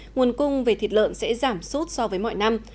nguồn cung về thịt lợn sẽ giảm sút so với mọi năm